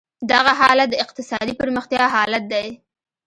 دغه حالت د اقتصادي پرمختیا حالت دی.